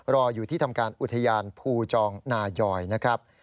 รออยู่ที่ทำการอุทยานภูจองนายอยนะครับ